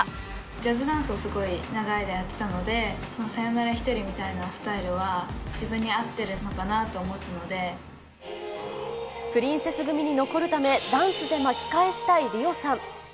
ジャズダンスをすごい長い間やってたので、そのさよならひとりみたいなスタイルは、自分に合ってるのかなとプリンセス組に残るため、ダンスで巻き返したいリオさん。